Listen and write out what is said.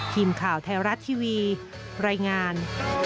ทีมข่าวไทยรัฐทีวีรายงาน